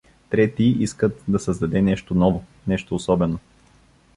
Трети искат да създаде нещо ново, нещо особено.